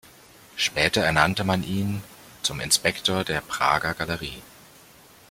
Später ernannte man ihn zum Inspektor der Prager Galerie.